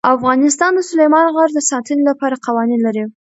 افغانستان د سلیمان غر د ساتنې لپاره قوانین لري.